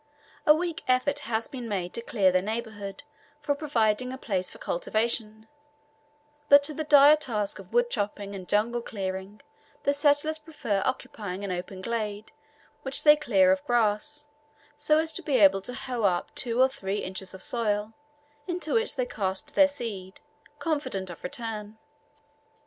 A weak effort has been made to clear the neighbourhood for providing a place for cultivation, but to the dire task of wood chopping and jungle clearing the settlers prefer occupying an open glade, which they clear of grass, so as to be able to hoe up two or three inches of soil, into which they cast their seed, confident of return.